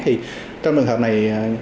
thì trong đường hợp này